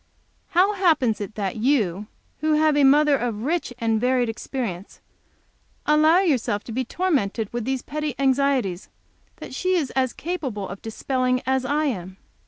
How happens it that you, who have a mother of rich and varied experience, allow yourself to be tormented with these petty anxieties which she is as capable of dispelling as I am?"